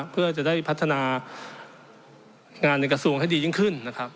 เพื่อจะได้พัฒนางานในกระทรวงให้ดียิ่งขึ้นนะครับ